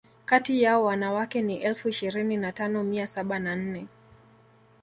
Kati yao wanawake ni elfu ishirini na tano mia saba na nne